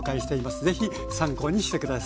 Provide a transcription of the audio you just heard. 是非参考にして下さい。